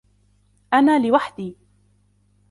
أنا لوحدي.